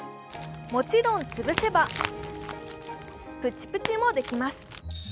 もちろん潰せばプチプチもできます。